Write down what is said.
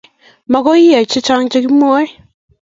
mokuye chichang che kimwae